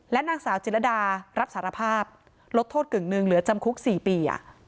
นางสาวจิรดารับสารภาพลดโทษกึ่งหนึ่งเหลือจำคุก๔ปี